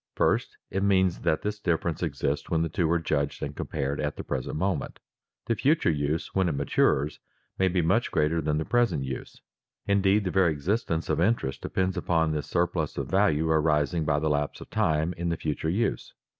First, it means that this difference exists when the two are judged and compared at the present moment. The future use when it matures may be much greater than the present use; indeed, the very existence of interest depends upon this surplus of value arising by the lapse of time in the future use.